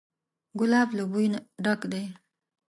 ګلاب له بوی نه ډک دی.